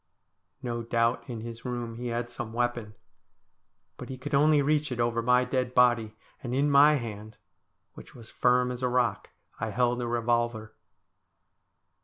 No doubt in his room he had some weapon, but he could only reach it over my dead body, and in my hand, which was firm as a rock, I held a revolver.